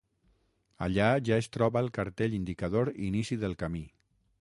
Allà ja es troba el cartell indicador inici del camí.